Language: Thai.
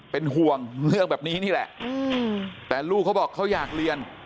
เป็นห่วงเรื่องแบบนี้นี่แหละแต่ลูกเขาบอกเขาอยากเรียน